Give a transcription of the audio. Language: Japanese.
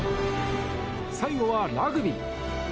最後はラグビー。